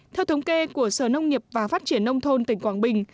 theo thống kê của sở nông nghiệp và phát triển nông thôn tỉnh quảng bình